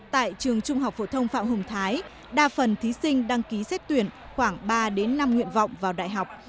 tại trường trung học phổ thông phạm hùng thái đa phần thí sinh đăng ký xét tuyển khoảng ba năm nguyện vọng vào đại học